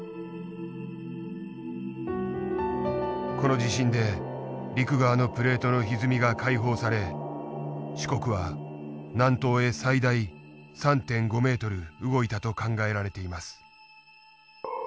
この地震で陸側のプレートのひずみが解放され四国は南東へ最大３．５ｍ動いたと考えられています。